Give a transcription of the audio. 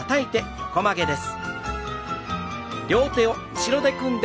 横曲げです。